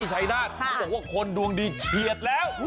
ชัยนาธิเขาบอกว่าคนดวงดีเฉียดแล้ว